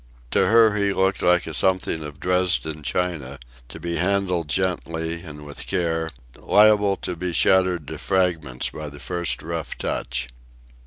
To her he looked like a something of Dresden china, to be handled gently and with care, liable to be shattered to fragments by the first rough touch.